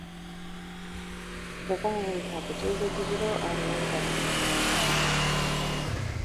The following packages are digital audio editors.